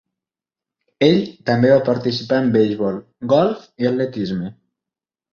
Ell també va participar en beisbol, golf i atletisme.